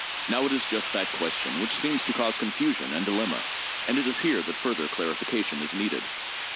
Now, it is just that question which seems to cause confusion and dilemma. And it is here that further clarification is needed.